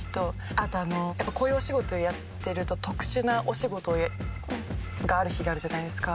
あとこういうお仕事やってると特殊なお仕事がある日があるじゃないですか。